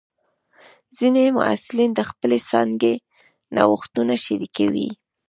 ځینې محصلین د خپلې څانګې نوښتونه شریکوي.